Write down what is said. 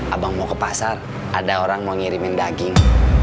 abang mau ke pasar ada orang mau ngirimin daging